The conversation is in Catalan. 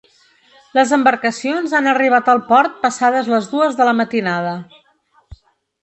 Les embarcacions han arribat al port passades les dues de la matinada.